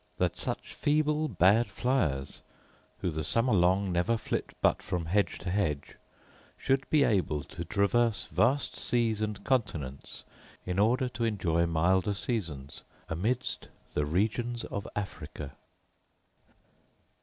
that such feeble bad fliers (who the summer long never flit but from hedge to hedge) should be able to traverse vast seas and continents in order to enjoy milder seasons amidst the regions of Africa!